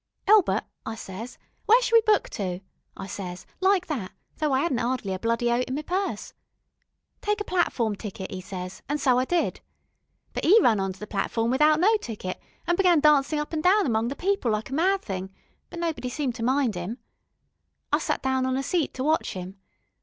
'Elbert,' I ses, 'where shell we book to,' I ses, like that, though I 'adn't 'ardly a bloody oat in me purse. 'Take a platform ticket,' 'e ses, an' so I did. But 'e run on to the platform without no ticket, an' begun dancin' up an' down among the people like a mad thing, but nobody seemed to mind 'im. I set down on a seat to watch 'im.